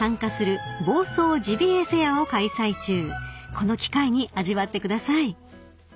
［この機会に味わってください］